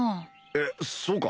えっそうか？